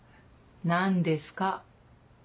何ですか？